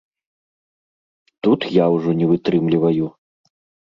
Тут я ўжо не вытрымліваю.